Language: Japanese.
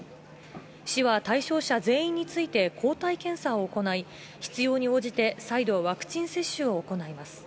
市は対象者全員について、抗体検査を行い、必要に応じて、再度ワクチン接種を行います。